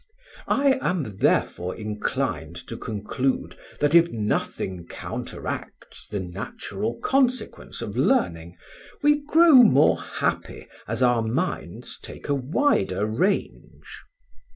I am therefore inclined to conclude that if nothing counteracts the natural consequence of learning, we grow more happy as out minds take a wider range.